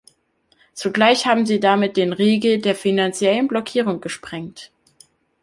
Zugleich haben Sie damit den Riegel der finanziellen Blockierung gesprengt.